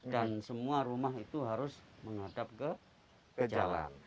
dan semua rumah itu harus menghadap ke jalan